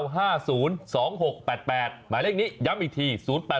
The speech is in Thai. หมายเลขนี้ย้ำอีกที๐๘๘